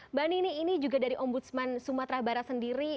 mbak nini ini juga dari ombudsman sumatera barat sendiri